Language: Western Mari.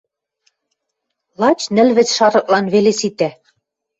Лач нӹл-вӹц шарыклан веле ситӓ.